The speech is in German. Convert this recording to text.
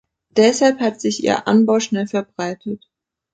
Deshalb hat sich ihr Anbau schnell verbreitet.